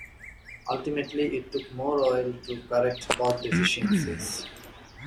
Ultimately, it took more oil to correct both deficiencies.